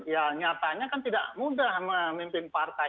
ya nyatanya kan tidak mudah memimpin partai